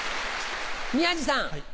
宮治さん。